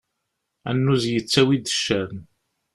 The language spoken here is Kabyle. Annuz yettawi-d ccan.